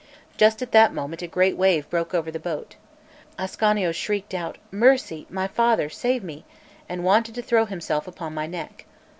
Just at that moment a great wave broke over the boat. Ascanio shrieked out: "Mercy, my father; save me," and wanted to throw himself upon my neck.